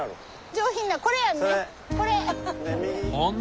上品なこれやんね。